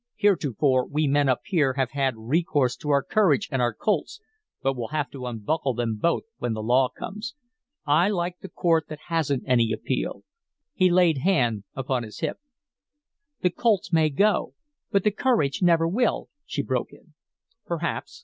Heretofore we men up here have had recourse to our courage and our Colts, but we'll have to unbuckle them both when the law comes. I like the court that hasn't any appeal." He laid hand upon his hip. "The Colts may go, but the courage never will," she broke in. "Perhaps.